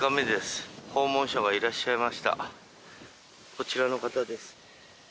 こちらの方です。